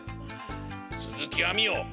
鈴木亜美よ